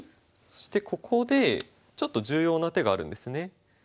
そしてここでちょっと重要な手があるんですね。